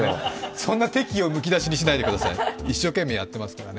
そんな敵意をむき出しにしないでください、一生懸命やってますからね。